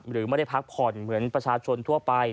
หรือไม่ได้พักผ่อนเหมือนประชาชนทั่วไป